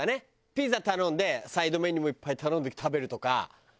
ピザ頼んでサイドメニューもいっぱい頼んで食べるとか。